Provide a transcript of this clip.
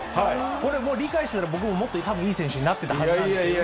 これもう、理解したら、僕もたぶんもっといい選手になってたはずなんですけれども。